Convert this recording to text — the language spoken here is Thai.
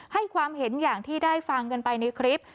ให้ความเห็นอย่างที่ได้ฟังกันไปในคลิป